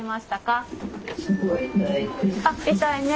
あ痛いね。